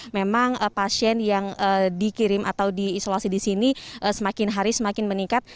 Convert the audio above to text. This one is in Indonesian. memang pasien yang dikirim atau diisolasi di sini semakin hari semakin meningkat